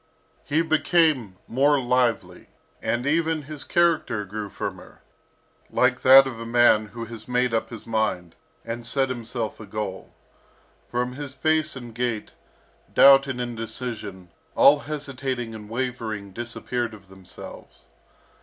He became more lively, and even his character grew firmer, like that of a man who has made up his mind, and set himself a goal. From his face and gait, doubt and indecision, all hesitating and wavering disappeared of themselves.